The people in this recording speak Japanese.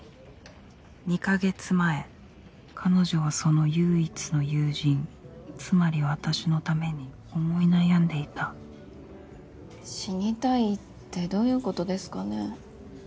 ２か月前彼女はその唯一の友人つまり私のために思い悩んでいた死にたいってどういうことですかね。